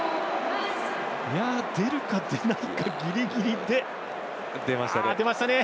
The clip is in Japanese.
出るか出ないかギリギリで出ましたね。